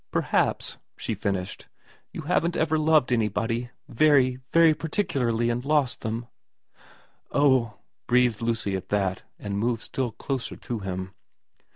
* Perhaps,' she finished, ' you haven't ever loved anybody very very particularly and lost them.' ' Oh,' breathed Lucy at that, and moved still closer to him.